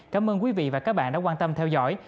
cảm ơn quý vị và các bạn đã quan tâm theo dõi